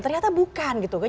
ternyata bukan gitu kan